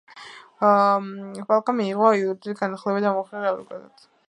პოლკმა მიიღო იურიდიული განათლება და მუშაობდა ადვოკატად.